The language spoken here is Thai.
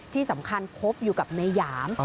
ที่สำคัญคบอยู่กับนายหยาม